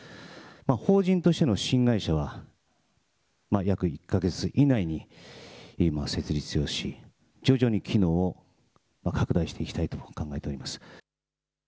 法人としての新会社は約１か月以内に設立をし、徐々に機能を拡大していきたいと考えております。